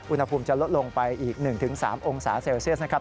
อุณหภูมิจะลดลงไปอีก๑๓องศาเซลเซียสนะครับ